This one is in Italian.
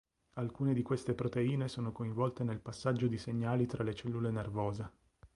Alcune di queste proteine sono coinvolte nel passaggio di segnali tra le cellule nervose.